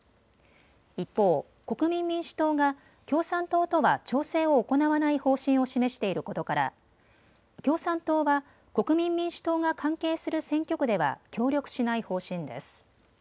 一方、国民民主党が共産党とは調整を行わない方針を示していることから共産党は国民民主党が関係する選挙区では協力しない方針です。